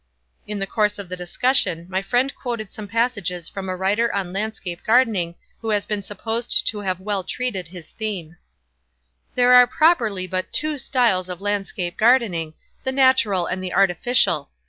In the course of discussion, my friend quoted some passages from a writer on landscape gardening who has been supposed to have well treated his theme: "There are properly but two styles of landscape gardening, the natural and the artificial.